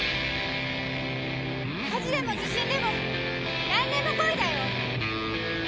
火事でも地震でも、何でも来いだよ！